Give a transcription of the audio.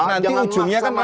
nanti ujungnya kan rakyat